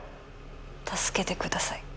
助けてください。